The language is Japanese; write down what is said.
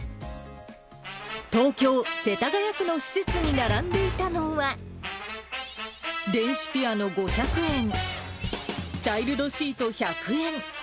東京・世田谷区の施設に並んでいたのは、電子ピアノ５００円、チャイルドシート１００円。